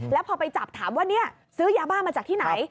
แล้วพอไปจับถามว่าซื้อยาบ้ามาจากที่ไหน